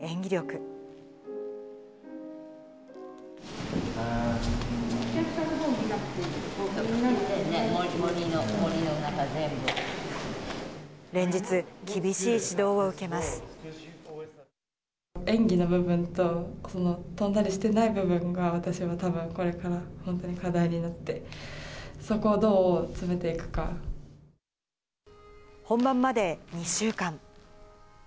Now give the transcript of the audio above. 演技の部分と、跳んだりしてない部分が、私はたぶん、これから本当に課題になって、本番まで２週間。